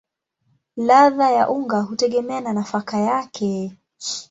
Ladha ya unga hutegemea na nafaka yake.